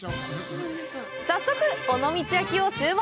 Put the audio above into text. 早速、尾道焼を注文！